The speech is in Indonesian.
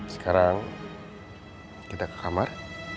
sekarang kita ke kamar